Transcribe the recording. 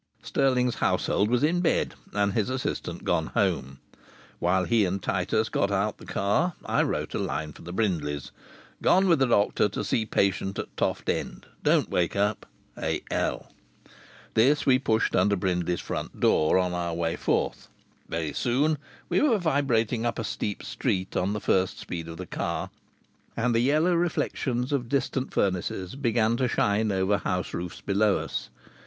Stirling's household was in bed and his assistant gone home. While he and Titus got out the car I wrote a line for the Brindleys: "Gone with doctor to see patient at Toft End. Don't wait up. A.L." This we pushed under Brindley's front door on our way forth. Very soon we were vibrating up a steep street on the first speed of the car, and the yellow reflections of distant furnaces began to shine over house roofs below us.